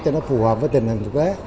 cho nó phù hợp với tình hình thực tế